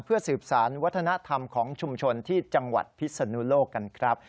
เพื่อสืบสารวัฒนธรรมของชุมชนที่จังหวัดพิศนุโลกกันครับ